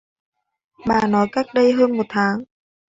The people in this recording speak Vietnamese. Bà nói cách đây hơn một tháng